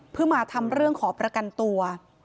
เพื่อมาทำเรื่องขอประกันตัว